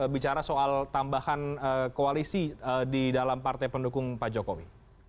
bicara soal tambahan koalisi di dalam partai pendukung pak jokowi